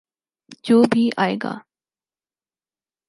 جو بھی آئے گا۔